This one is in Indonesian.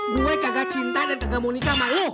gue kagak cinta dan nggak mau nikah sama lo